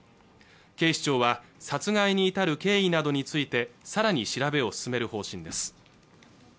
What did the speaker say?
警視庁は殺害に至る経緯などについてさらに調べを進める方針です